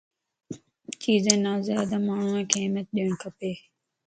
چيزين نازيادا ماڻھينک اھميت ڏيڻ کپَ